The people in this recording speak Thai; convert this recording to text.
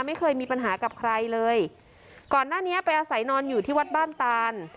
ไม่เคยมีปัญหากับใครเลยก่อนหน้านี้ไปอาศัยนอนอยู่ที่วัดบ้านตาน